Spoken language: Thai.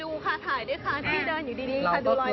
ดูค่ะถ่ายชนดิทการนี่ค่ะพี่เดินอยู่ดี